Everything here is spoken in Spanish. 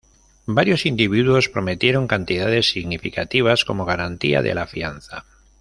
Varios individuos prometieron cantidades significativas como garantía de la fianza.